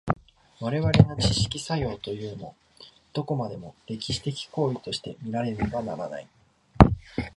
我々の知識作用というも、どこまでも歴史的行為として見られねばならない。